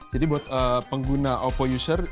jadi buat pengguna oppo user